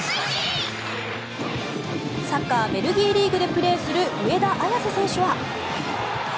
サッカーベルギーリーグでプレーする上田綺世選手は。